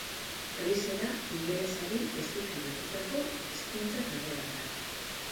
Frisiera ingelesari estuki lotutako hizkuntza talde bat da.